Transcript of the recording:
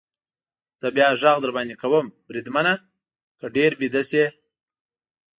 زه بیا غږ در باندې کوم، بریدمنه، که ډېر ویده شې.